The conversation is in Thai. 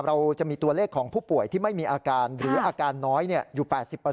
เราจะมีตัวเลขของผู้ป่วยที่ไม่มีอาการหรืออาการน้อยอยู่๘๐